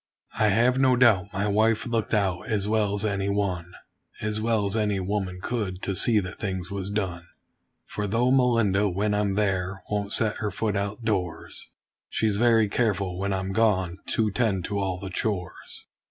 I have no doubt my wife looked out, as well as any one As well as any woman could to see that things was done: For though Melinda, when I'm there, won't set her foot outdoors, She's very careful, when I'm gone, to tend to all the chores.